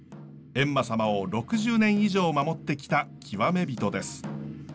閻魔様を６０年以上守ってきた極め人です。